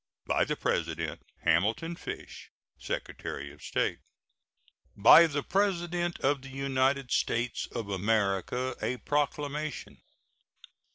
By the President: HAMILTON FISH, Secretary of State. BY THE PRESIDENT OF THE UNITED STATES OF AMERICA. A PROCLAMATION.